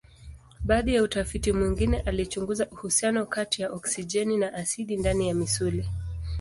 Baadhi ya utafiti mwingine alichunguza uhusiano kati ya oksijeni na asidi ndani ya misuli.